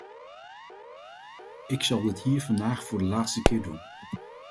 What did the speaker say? Ik zal dit hier vandaag voor de laatste keer doen.